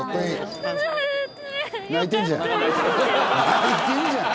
泣いてんじゃん。